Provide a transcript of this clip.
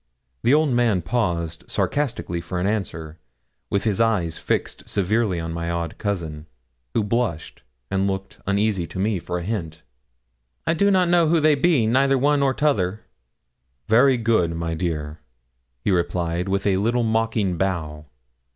The old man paused sarcastically for an answer, with his eyes fixed severely on my odd cousin, who blushed and looked uneasily to me for a hint. 'I don't know who they be neither one nor t'other.' 'Very good, my dear,' he replied, with a little mocking bow.